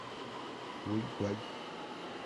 Why wait?